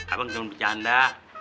abang cuman bercanda